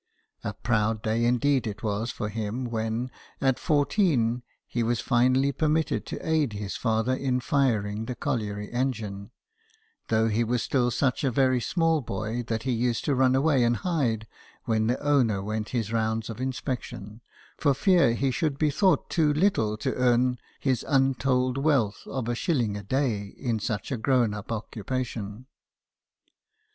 A proud day indeed it was for him when, at fourteen, he was finally permitted to aid his father in firing the colliery engine ; though he was still such a very small boy that he used to run away and hide when the owner went his rounds of inspection, for fear he should be thought too little to earn his untold wealth of a shilling a day in such a grown up occupation.